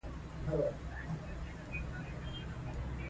ماشومان د لوبو له لارې د ټولنیزو اړیکو مهارتونه زده کوي.